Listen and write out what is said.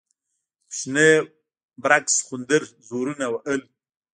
کوچني برګ سخوندر زورونه وهل.